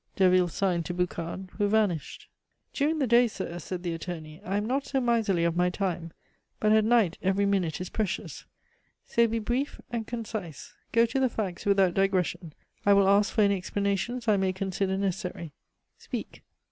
Derville signed to Boucard, who vanished. "During the day, sir," said the attorney, "I am not so miserly of my time, but at night every minute is precious. So be brief and concise. Go to the facts without digression. I will ask for any explanations I may consider necessary. Speak."